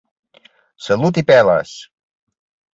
Salut i peles!